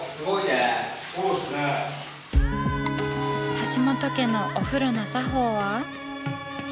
橋本家のお風呂の作法は。